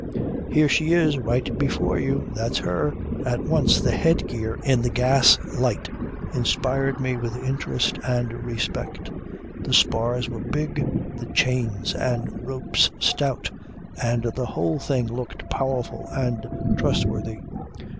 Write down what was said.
Here she is, right before you. That's her." "At once the head gear in the gas light inspired me with interest and respect; the spars were big, the chains and ropes stout and the whole thing looked powerful and trustworthy.